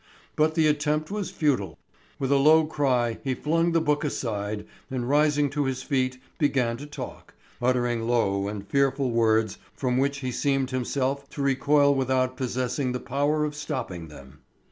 But the attempt was futile. With a low cry he flung the book aside, and rising to his feet began to talk, uttering low and fearful words from which he seemed himself to recoil without possessing the power of stopping them.